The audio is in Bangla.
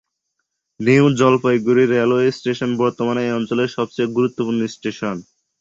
নিউ জলপাইগুড়ি রেলওয়ে স্টেশন বর্তমানে এই অঞ্চলের সবচেয়ে গুরুত্বপূর্ণ স্টেশন।